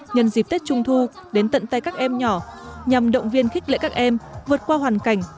nhân dịp tết trung thu đến tận tay các em nhỏ nhằm động viên khích lệ các em vượt qua hoàn cảnh